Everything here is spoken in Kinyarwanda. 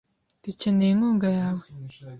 Dukeneye inkunga yawe .